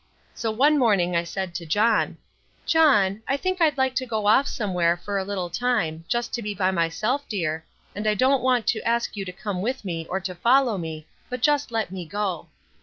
So one morning I said to John, "John, I think I'd like to go off somewhere for a little time, just to be by myself, dear, and I don't want you to ask to come with me or to follow me, but just let me go."